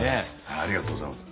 ありがとうございます。